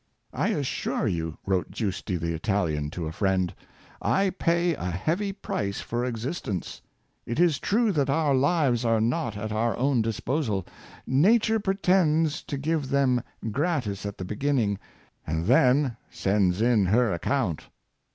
" I assure you," wrote Giusti the Italian to a friend, *' I pay a heavy price for existence. It is true that our lives are not at our own disposal. Nature pre i tends to give them gratis at the beginning, and then sends in her account."